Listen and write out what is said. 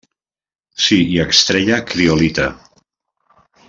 S'hi extreia criolita.